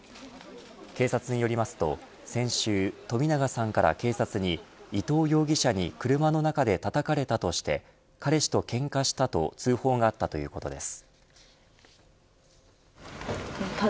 警察によりますと先週、冨永さんから警察に伊藤容疑者に車の中でたたかれたとして彼氏とけんかしたと通報があったということです。